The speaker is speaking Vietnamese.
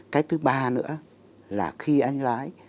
cái thứ ba nữa là khi anh lái